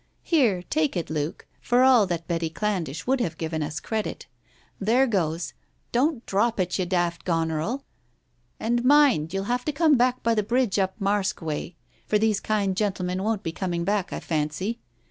"Here, take it, Luke. For all that Betty Candlish would have given us credit. There goes ! Don't drop Digitized by Google 178 TALES OF THE UNEASY it, ye daft goner il ! And, mind, you'll have to come back by the bridge up Marske way, for these kind gentle men won't be coming back, I fancy.